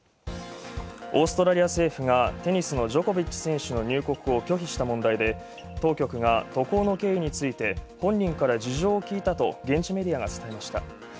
オーストラリア政府が、テニスのジョコビッチ選手の入国を拒否した問題で、当局が渡航の経緯について本人から事情を聴いたと現地メディアが伝えました。